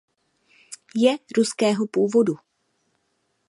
Je ruského původu.